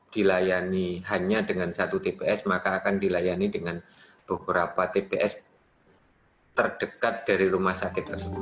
dilayani hanya dengan satu tps maka akan dilayani dengan beberapa tps terdekat dari rumah sakit tersebut